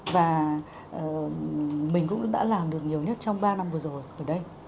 và mình cũng đã làm được nhiều nhất trong ba năm vừa rồi ở đây